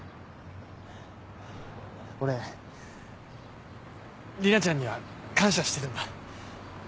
俺莉奈ちゃんには感謝してるんだ。